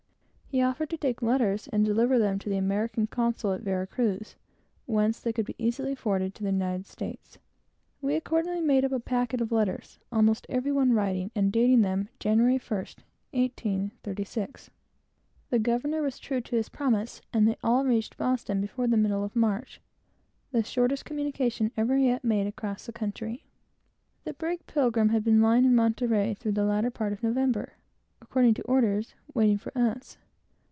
He offered to take letters, and deliver them to the American consul at Vera Cruz, whence they could be easily forwarded to the United States. We accordingly made up a packet of letters, almost every one writing, and dating them "January 1st, 1836." The governor was true to his promise, and they all reached Boston before the middle of March; the shortest communication ever yet made across the country. The brig Pilgrim had been lying in Monterey through the latter part of November, according to orders, waiting for us.